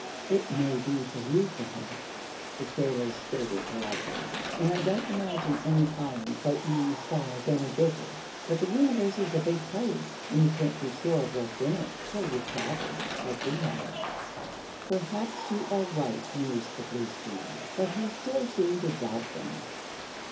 "It may be for you, perhaps," the sailor stated, politely, "an' I don't imagine any island floatin' in the sky is any bigger. But the Universe is a big place an' you can't be sure of what's in it till you've traveled, like we have." "Perhaps you are right," mused the Blueskin; but he still seemed to doubt them.